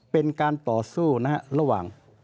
เป็นการต่อสู้ระหว่าง